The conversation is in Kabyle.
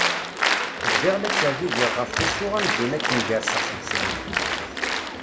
Bdiɣ la ttergigiɣ ɣef wusu amzun akken gerseɣ seg usemmiḍ.